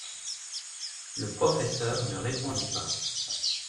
Le professeur ne répondit pas.